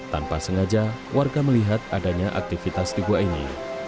tanpa sengaja warga melihat adanya aktivitas di gua ini